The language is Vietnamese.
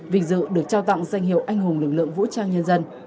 vinh dự được trao tặng danh hiệu anh hùng lực lượng vũ trang nhân dân